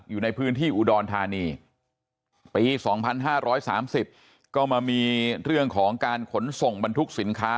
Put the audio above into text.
อยู่ในพื้นที่อุดรธานีปี๒๕๓๐ก็มามีเรื่องของการขนส่งบรรทุกสินค้า